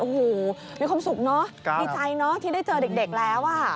โอ้โหมีความสุขเนอะดีใจเนอะที่ได้เจอเด็กแล้วอ่ะ